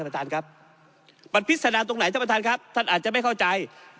มันพิษดานตรงไหนท่านประทานครับท่านอาจจะไม่เข้าใจ